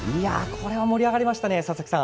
これは盛り上がりましたね。